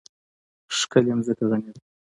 ښکلې مځکه غني ده.